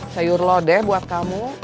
sayur lodeh buat kamu